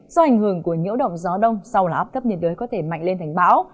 do ảnh hưởng của nhiễu động gió đông sau là áp thấp nhiệt đới có thể mạnh lên thành bão